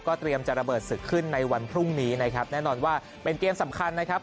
เตรียมจะระเบิดศึกขึ้นในวันพรุ่งนี้นะครับแน่นอนว่าเป็นเกมสำคัญนะครับ